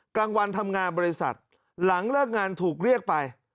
กลางวันทำงานบริษัทหลังเลิกงานถูกเรียกไป